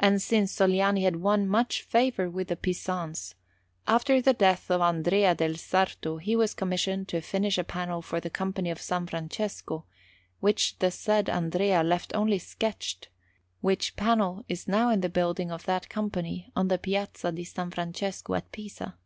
And since Sogliani had won much favour with the Pisans, after the death of Andrea del Sarto he was commissioned to finish a panel for the Company of S. Francesco, which the said Andrea left only sketched; which panel is now in the building of that Company on the Piazza di S. Francesco at Pisa.